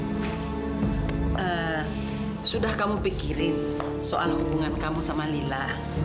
sudah kamu pikirin soal hubungan kamu sama lila